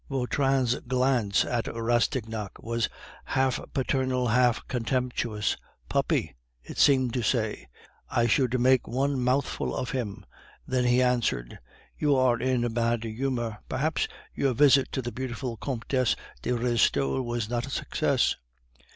Vautrin's glance at Rastignac was half paternal, half contemptuous. "Puppy!" it seemed to say; "I should make one mouthful of him!" Then he answered: "You are in a bad humor; perhaps your visit to the beautiful Comtesse de Restaud was not a success."